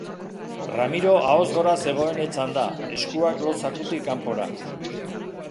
Ramiro ahoz gora zegoen etzanda, eskuak lo zakutik kanpora.